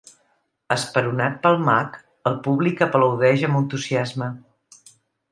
Esperonat pel mag, el públic aplaudeix amb entusiasme.